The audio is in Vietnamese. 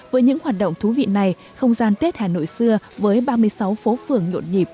với những hoạt động thú vị này không gian tết hà nội xưa với ba mươi sáu phố phường nhộn nhịp